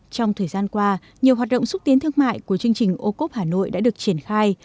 trong thời gian qua nhiều hoạt động xúc tiến thương mại của chương trình ô cốp hà nội đã được triển khai